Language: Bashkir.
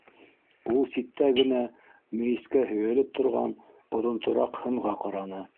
Ул ситтә генә мейескә һөйәлеп торған оҙонтораҡ һынға ҡараны.